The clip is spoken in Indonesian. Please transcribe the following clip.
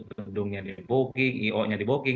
tendungnya diboking i o nya diboking